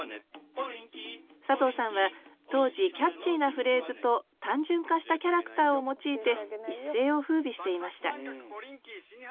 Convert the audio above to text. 佐藤さんは当時キャッチーなフレーズと単純化したキャラクターを用いて一世をふうびしていました